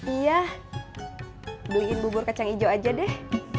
iya beliin bubur kacang hijau aja deh